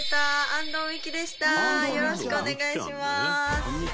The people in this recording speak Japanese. よろしくお願いします。